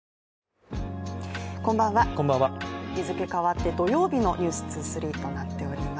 こんばんは、日付変わって土曜日の「ｎｅｗｓ２３」となっております。